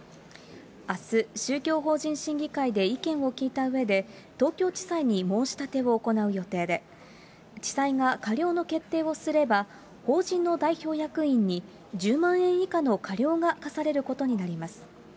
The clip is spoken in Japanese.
あす、宗教法人審議会で意見を聞いたうえで、東京地裁に申し立てを行う予定で、地裁が過料の決定をすれば、法人の代表役員に１０万円以下の過料が科されることになります。